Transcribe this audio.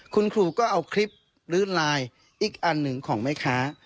คุณครูก็เอาคลิปหรือไลน์อีกอันหนึ่งของแม่ค้า